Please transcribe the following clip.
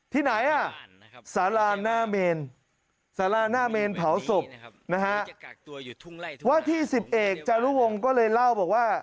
ที่ไหนสาราหน้าเมนเผาศพวาที่๑๑จารุวงก็เลยเล่าว่า